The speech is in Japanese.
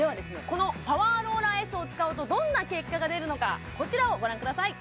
このパワーローラーＳを使うとどんな結果が出るのかこちらをご覧ください